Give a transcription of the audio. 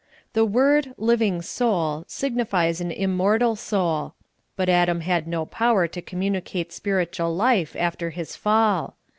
The word " living soul " signifies an immortal soul ; but Adam had no power to communicate spiritual life after his fall.